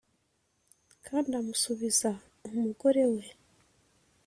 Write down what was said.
Kandi amusubiza umugore we